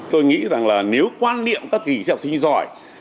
tôi nghĩ rằng là nếu quan niệm các kỳ thi học sinh giỏi